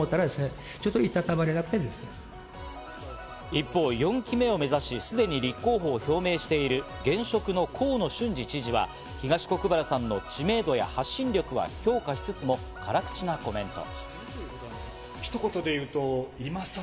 一方、４期目を目指し、すでに立候補を表明している現職の河野俊嗣知事は、東国原さんの知名度や発信力は評価しつつも、辛口なコメント。